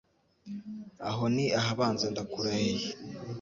Aho ni Ahabanza ndakurahiye